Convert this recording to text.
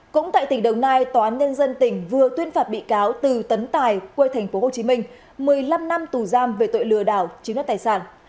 cũng tại tỉnh đồng nai tòa án nhân dân tỉnh vừa tuyên phạt bị cáo từ tấn tài quê tp hcm một mươi năm năm tù giam về tội lừa đảo chiếm đất tài sản